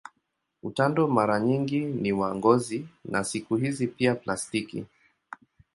Utando mara nyingi ni wa ngozi na siku hizi pia plastiki.